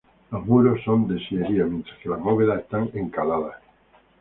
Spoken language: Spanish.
Los muros son de sillería mientras que las bóvedas están encaladas.